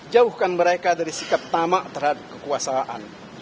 jauhkan mereka dari sikap tamak terhadap kekuasaan